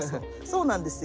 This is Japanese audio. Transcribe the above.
そうなんですよ。